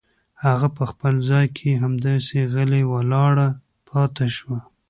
هغه په خپل ځای کې همداسې غلې ولاړه پاتې شوه.